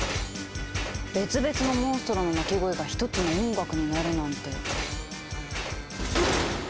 別々のモンストロの鳴き声が一つの音楽になるなんて。